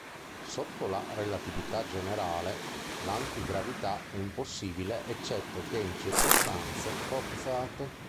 Sotto la relatività generale, l'antigravità è impossibile eccetto che in circostanze forzate.